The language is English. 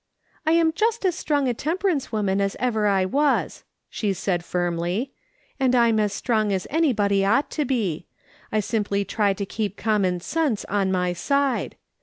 " I am just as strong a temperance woman as ever I was," she said firmly, " and I'm as strong as any body ought to be. I simply try to keep common sense on my side.